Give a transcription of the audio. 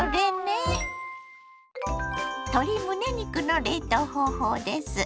鶏むね肉の冷凍方法です。